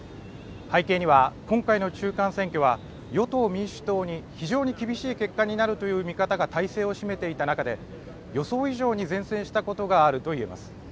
背景には、今回の中間選挙は与党・民主党に非常に厳しい結果になるという見方が大勢を占めていた中で予想以上に善戦したことがあると言えます。